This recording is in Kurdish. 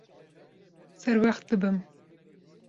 Serwext dibim.